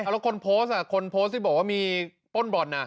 เอ้าแล้วคนโพสต์อ่ะคนโพสต์ที่บอกว่ามีป้นบ่นอ่ะ